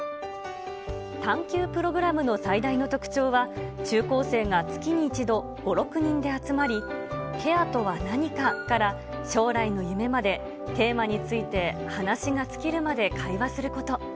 探求プログラムの最大の特徴は、中高生が月に１度、５、６人で集まり、ケアとは何かから、将来の夢までテーマについて、話が尽きるまで会話すること。